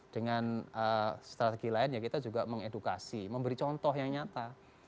dengan strategi lain ya kita juga mengedukasi memberi contoh yang nyata